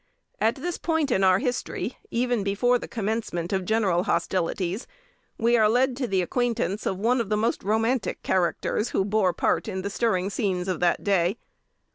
At this point in our history, even before the commencement of general hostilities, we are led to the acquaintance of one of the most romantic characters who bore part in the stirring scenes of that day.